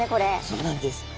そうなんです。